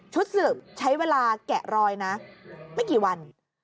สืบใช้เวลาแกะรอยนะไม่กี่วัน